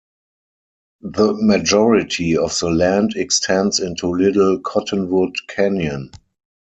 The majority of the land extends into Little Cottonwood Canyon.